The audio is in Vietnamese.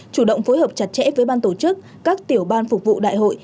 chủ động phối hợp chặt chẽ với ban tổ chức các tiểu ban phục vụ đại hội